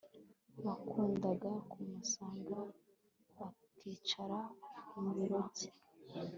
Bakundaga kumusanga bakicara ku bibero bye